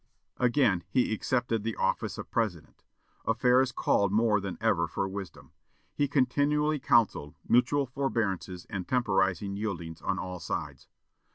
Again he accepted the office of President. Affairs called more than ever for wisdom. He continually counselled "mutual forbearances and temporizing yieldings on all sides."